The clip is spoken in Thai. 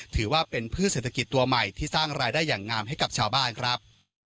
ถือว่าเป็นพืชเศรษฐกิจตัวใหม่ที่สร้างรายได้อย่างงามให้กับชาวบ้านครับ